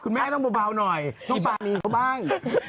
คุณแม่ต้องเบาหน่อยต้องบานีเขาบ้าง